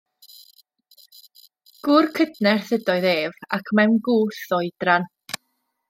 Gŵr cydnerth ydoedd ef, ac mewn gwth o oedran.